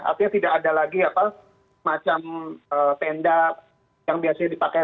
artinya tidak ada lagi macam tenda yang biasanya dipakai